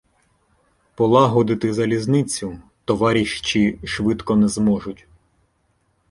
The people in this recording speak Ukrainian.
Полагодити залізницю "това- ріщі" швидко не зможуть.